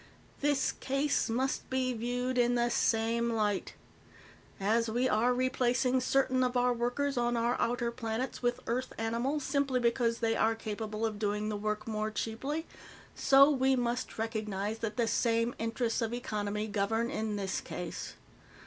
"This case must be viewed in the same light. As we are replacing certain of our workers on our outer planets with Earth animals simply because they are capable of doing the work more cheaply, so we must recognize that the same interests of economy govern in this case.